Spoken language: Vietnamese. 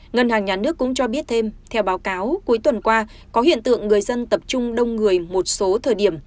ngân hàng nhà nước cũng cho biết thêm theo báo cáo cuối tuần qua có hiện tượng người dân tập trung đông người một số thời điểm